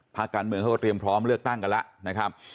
ภาคการเมืองเขาก็เตรียมพร้อมเลือกตั้งกันแล้วนะครับ